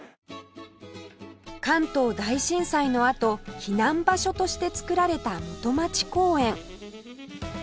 関東大震災のあと避難場所として作られた元町公園